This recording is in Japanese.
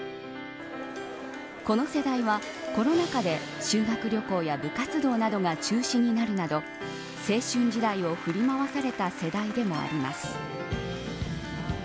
この世代はコロナ禍で修学旅行や部活動などが中止になるなど青春時代を振り回された世代でもあります。